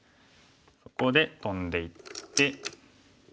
ここでトンでいって。